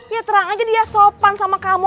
ya terang aja dia sopan sama kamu